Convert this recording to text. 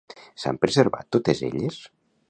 S'han preservat totes elles?